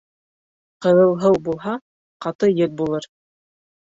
Ҡыҙылһыу булһа, ҡаты ел булыр.